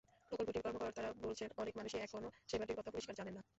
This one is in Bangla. প্রকল্পটির কর্মকর্তারা বলছেন, অনেক মানুষই এখনো সেবাটির কথা পরিষ্কার জানেন না।